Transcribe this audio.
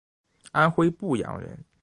安徽阜阳人。